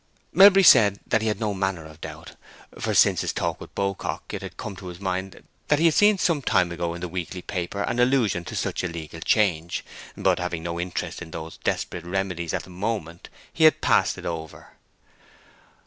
Melbury said that he had no manner of doubt, for since his talk with Beaucock it had come into his mind that he had seen some time ago in the weekly paper an allusion to such a legal change; but, having no interest in those desperate remedies at the moment, he had passed it over.